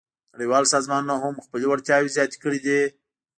نړیوال سازمانونه هم خپلې وړتیاوې زیاتې کړې دي